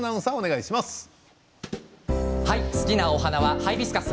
好きなお花はハイビスカス。